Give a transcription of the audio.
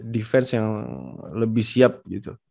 defense yang lebih siap gitu